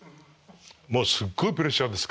もうすっごいプレッシャーですから。